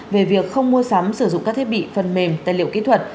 về việc không mua sắm sử dụng các thiết bị phần mềm tài liệu kỹ thuật